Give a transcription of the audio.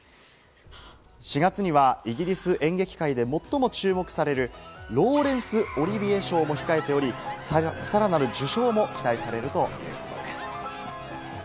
４月にはイギリス演劇界で最も注目される、ローレンス・オリヴィエ賞も控えており、さらなる受賞も期待されるということです。